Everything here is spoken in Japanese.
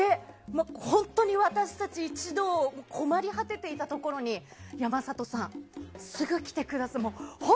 本当に私たち一同困り果てていたところに山里さん、すぐに来てくださって。